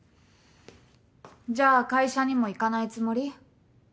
じゃあ会社にも行かないつもり？